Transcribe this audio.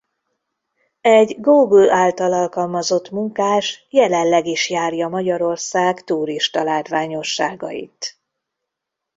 Egy Google által alkalmazott munkás jelenleg is járja Magyarország turistalátványosságait.